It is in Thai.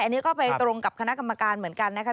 อันนี้ก็ไปตรงกับคณะกรรมการเหมือนกันนะคะ